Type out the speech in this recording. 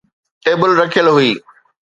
table رکيل هئي